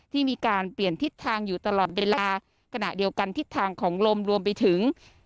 ที่มีการเปลี่ยนทิศทางอยู่ตลอดเวลาขณะเดียวกันทิศทางของลมรวมไปถึง